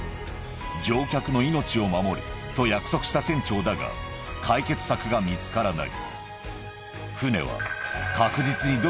乗客の命を守ると約束した船長だが、解決策が見つからない。